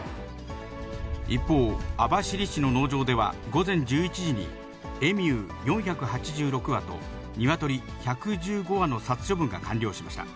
一方、網走市の農場では、午前１１時に、エミュー４８６羽とニワトリ１１５羽の殺処分が完了しました。